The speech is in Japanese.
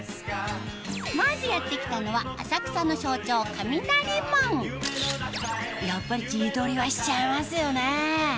まずやって来たのはやっぱり自撮りはしちゃいますよね